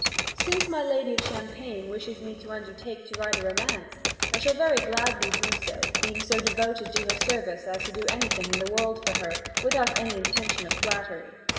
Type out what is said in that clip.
Since my lady of Champagne wishes me to undertake to write a romance, I shall very gladly do so, being so devoted to her service as to do anything in the world for her, without any intention of flattery.